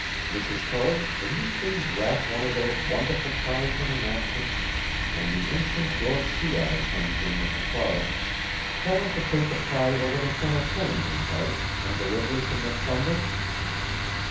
Mrs. Tully, will you please wrap one of those wonderful pies in a napkin and the instant George Sea Otter comes in with the car, tell him to take the pie over to Colonel Pennington's house and deliver it to Miss Sumner?